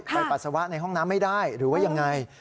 ปัสสาวะในห้องน้ำไม่ได้หรือว่ายังไง